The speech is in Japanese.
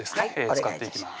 使っていきます